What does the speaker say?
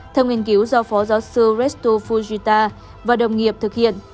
theo nghiên cứu do phó giáo sư resto fujita và đồng nghiệp thực hiện